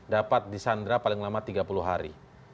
dapat disandra paling lama tiga puluh hari